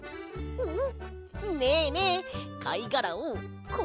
うん！